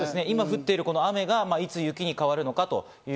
今、降ってる雨がいつ雪に変わるのか。